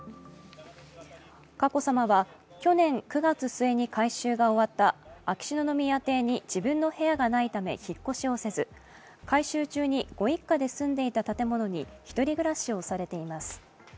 佳子さまは去年９月末に改修が終わった秋篠宮邸に自分の部屋がないため引っ越しをせず改修中にご一家で住んでいた建物に１人暮らしをされています。